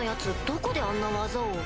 どこであんな技を。